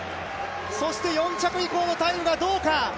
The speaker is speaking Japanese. そして４着以降のタイムがどうか。